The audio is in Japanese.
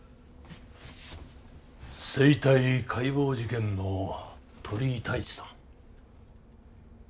生体解剖事件の鳥居太一さん。